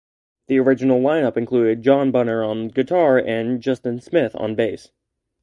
The original lineup included John Bunner on guitar and Justin Smith on bass.